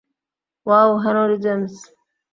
Wow, Henry James.